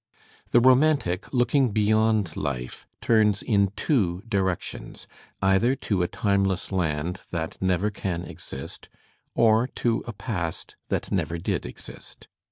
\ The romantic, looking beyond life, turns in two directions, j either to a timeless land that never can exist or to a past that I never did exist.